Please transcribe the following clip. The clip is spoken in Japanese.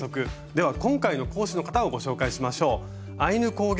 では今回の講師の方をご紹介しましょう。